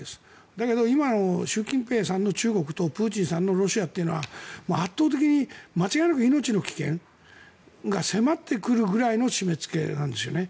だけど今、習近平さんの中国とプーチンさんのロシアというのは圧倒的に間違いなく命の危険が迫ってくるぐらいの締めつけなんですよね。